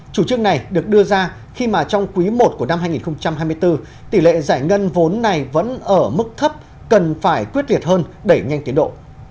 chủ trương này được đưa ra khi mà trong quý i của năm hai nghìn hai mươi bốn tỷ lệ giải ngân vốn này vẫn ở mức thấp cần phải quyết liệt hơn đẩy nhanh tiến độ